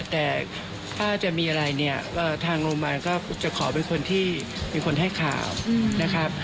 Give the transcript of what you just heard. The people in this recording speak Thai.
แต่ถ้าจะมีอะไรเนี่ยทางโรงพยาบาลก็จะขอเป็นคนที่เป็นคนให้ข่าวนะครับ